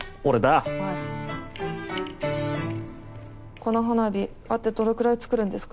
この花火あとどのくらい作るんですか？